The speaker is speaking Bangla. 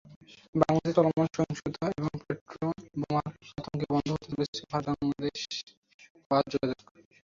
বাংলাদেশে চলমান সহিংসতা এবং পেট্রলবোমার আতঙ্কে বন্ধ হতে চলেছে ভারত-বাংলাদেশ বাস যোগাযোগ।